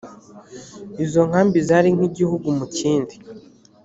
izo nkambi zari nk igihugu mu kindi .